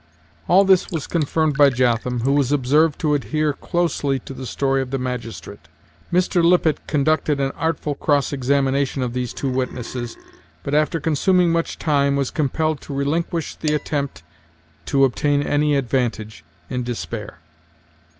All this was confirmed by Jotham, who was observed to adhere closely to the story of the magistrate. Mr. Lippet conducted an artful cross examination of these two witnesses, but, after consuming much time, was compelled to relinquish the attempt to obtain any advantage, in despair.